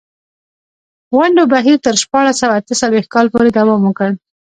غونډو بهیر تر شپاړس سوه اته څلوېښت کال پورې دوام وکړ.